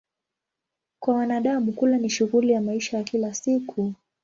Kwa wanadamu, kula ni shughuli ya maisha ya kila siku.